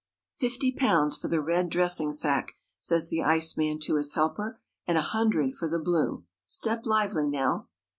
"Fifty pounds for the red dressing sack," says the iceman to his helper, "and a hundred for the blue. Step lively now!"